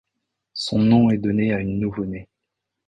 Son nom est donné à une nouveau-née.